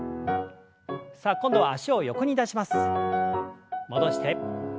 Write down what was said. さあ今度は脚を横に出します。